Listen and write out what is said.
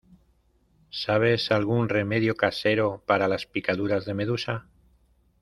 ¿Sabes algún remedio casero para las picaduras de medusa?